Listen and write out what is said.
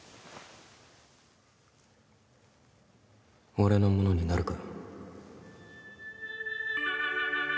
俺のものになるか？